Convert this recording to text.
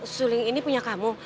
suling ini punya kamu